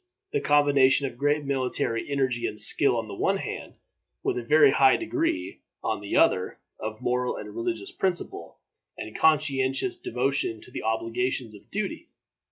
the combination of great military energy and skill on the one hand, with a very high degree, on the other, of moral and religious principle, and conscientious devotion to the obligations of duty.